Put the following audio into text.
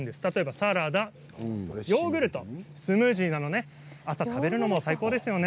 サラダ、ヨーグルト、スムージーなど朝食べるのも最高ですよね。